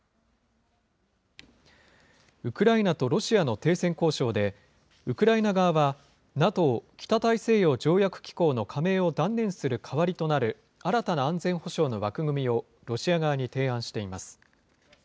ウクライナとロシアの停戦交渉で、ウクライナ側はＮＡＴＯ・北大西洋条約機構の加盟を断念する代わりとなる新たな安全保障の枠組みをロシア側に提案しています。